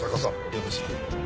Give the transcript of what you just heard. よろしく。